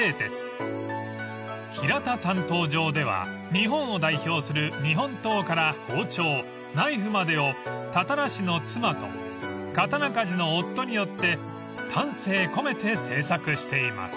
［平田鍛刀場では日本を代表する日本刀から包丁ナイフまでをたたら師の妻と刀鍛冶の夫によって丹精込めて製作しています］